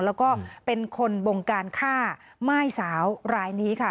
แล้วก็เป็นคนบงการฆ่าม่ายสาวรายนี้ค่ะ